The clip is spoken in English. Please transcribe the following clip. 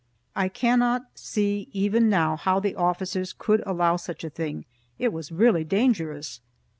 I cannot see even now how the officers could allow such a thing; it was really dangerous.